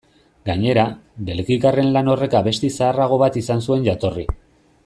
Gainera, belgikarren lan horrek abesti zaharrago bat izan zuen jatorri.